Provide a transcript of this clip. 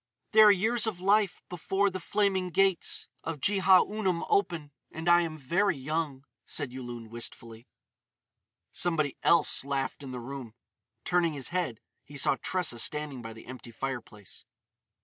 "There are years of life before the flaming gates of Jehaunum open. And I am very young," said Yulun wistfully. Somebody else laughed in the room. Turning his head, he saw Tressa standing by the empty fireplace.